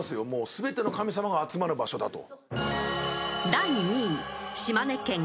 全ての神様が集まる場所だと。